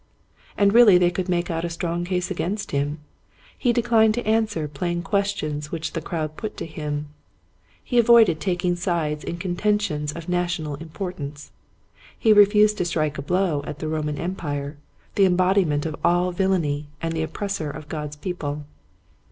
And really they could make out a strong case against him. He declined to answer plain questions which the crowd put to him. He avoided taking sides in contentions of national importance. He refused to strike a blow at the Roman Empire, the embodiment of all villamy and the oppressor of God's people.